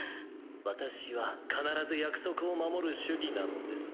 私は必ず約束を守る主義なのです。